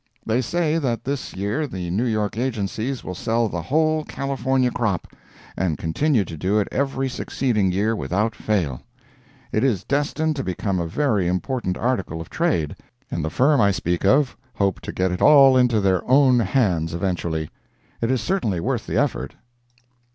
They say that this year the New York agencies will sell the whole California crop, and continue to do it every succeeding year without fail. It is destined to become a very important article of trade, and the firm I speak of hope to get it all into their own hands eventually. It is certainly worth the effort.